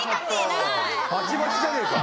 バチバチじゃねえか。